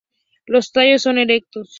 Los tallos son erectos.